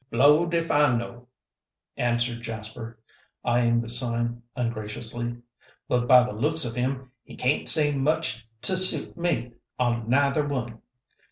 "Blowed ef I know," answered Jasper, eying the sign ungraciously; "but by the looks of him he can't say much to suit me on neither one.